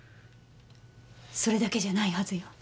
それだけじゃないはずよ。